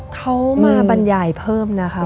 เขามาบรรยายเพิ่มนะคะ